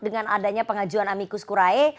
dengan adanya pengajuan amikus kurae